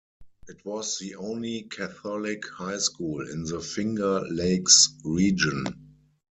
It was the only Catholic high school in the Finger Lakes region.